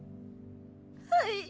はい。